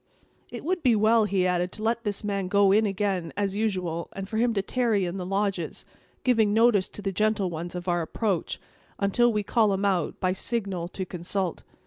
"It would be well," he added, "to let this man go in again, as usual, and for him to tarry in the lodges, giving notice to the gentle ones of our approach, until we call him out, by signal, to consult.